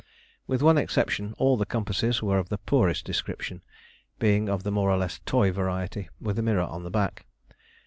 With one exception, all the compasses were of the poorest description, being of the more or less toy variety with a mirror on the back.